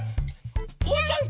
おうちゃん